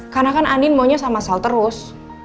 karena kan andin maunya sama sal terus